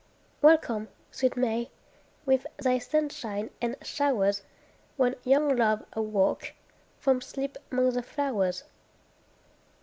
Welcome, sweet May! With thy sunshine and showers, When young love awoke From sleep 'mong the flowers.